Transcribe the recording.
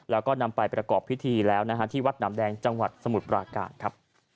แล้วก็นำไปประกอบพิธีแล้วนะฮะที่วัดหนำแดงจังหวัดสมุทรปราการครับ